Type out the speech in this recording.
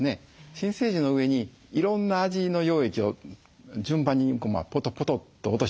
新生児の上にいろんな味の溶液を順番にポトポトと落としていったんですね。